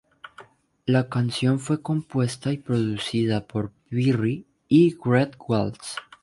La canción fue compuesta y producida por Perry y Greg Wells.